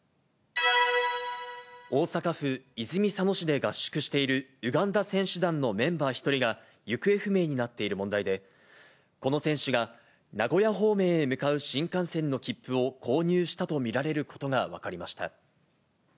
大阪府泉佐野市で合宿しているウガンダ選手団のメンバー１人が行方不明になっている問題で、この選手が、名古屋方面へ向かう新幹線の切符を購入したと見られることが分かりました。